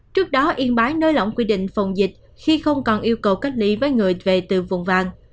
trước đó yên bái nới lỏng quy định phòng dịch khi không còn yêu cầu cách ly với người về từ vùng vàng